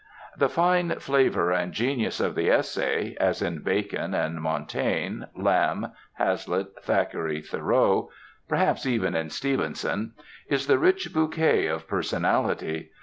The fine flavor and genius of the essay as in Bacon and Montaigne, Lamb, Hazlitt, Thackeray, Thoreau; perhaps even in Stevenson is the rich bouquet of personality.